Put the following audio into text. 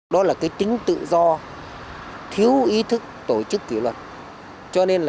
đó là cái tính tự do thiếu ý thức tổ chức kỷ luật